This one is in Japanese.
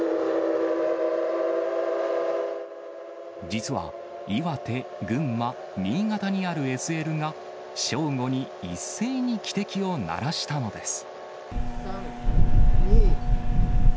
実は岩手、群馬、新潟にあるＳＬが、正午に一斉に汽笛を鳴らしたのです。